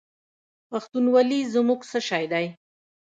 پښتونولي زموږ څه شی دی؟